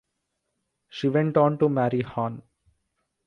She went on to marry Hon.